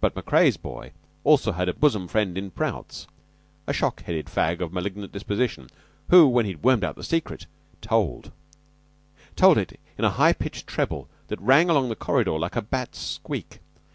But Macrea's boy had also a bosom friend in Prout's, a shock headed fag of malignant disposition, who, when he had wormed out the secret, told told it in a high pitched treble that rang along the corridor like a bat's squeak.